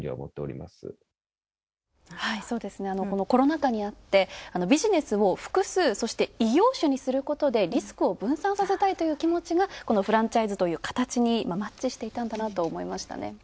コロナ禍にあって、ビジネスを複数、そして異業種にすることでリスクを分散させたいという気持ちがこのフランチャイズという形にマッチしていたんだなと思いましたね。